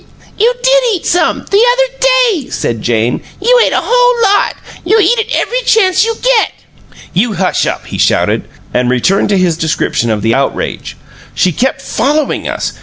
"You did eat some, the other day," said Jane. "You ate a whole lot. You eat it every chance you get!" "You hush up!" he shouted, and returned to his description of the outrage. "She kept FOLLOWING us!